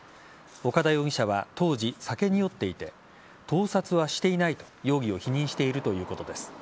岡田容疑者は当時酒に酔っていて盗撮はしていないと容疑を否認しているということです。